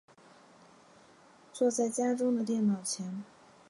坐在家中的电脑前